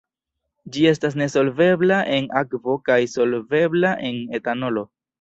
Ĝi estas nesolvebla en akvo kaj solvebla en etanolo.